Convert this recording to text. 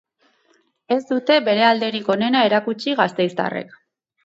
Ez dute bere alderik onena erakutsi gasteiztarrek.